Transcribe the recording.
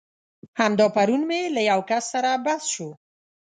همدا پرون مې له يو کس سره بحث شو.